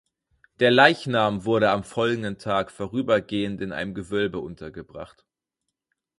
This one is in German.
Der Leichnam wurde am folgenden Tag vorübergehend in einem Gewölbe untergebracht.